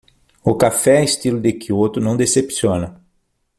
O café estilo de Quioto não decepciona.